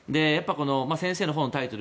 先生の本のタイトル